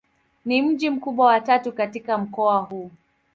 Ni mji mkubwa wa tatu katika mkoa huu.